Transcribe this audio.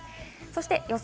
予想